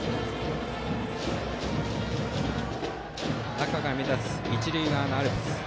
赤が目立つ一塁側アルプス。